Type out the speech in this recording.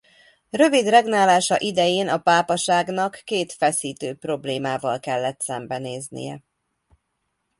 Rövid regnálása idején a pápaságnak két feszítő problémával kellett szembenéznie.